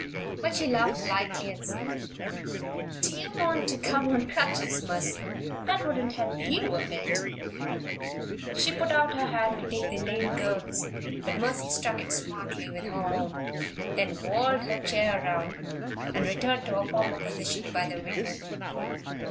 But she laughed lightly, and said: "Do you want me to come on crutches, Mercy? That wouldn't help you a bit." She put out her hand to take the lame girl's, but Mercy struck it smartly with her own, then whirled her chair around and returned to her former position by the window.